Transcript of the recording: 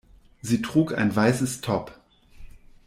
Sie trug ein weißes Top.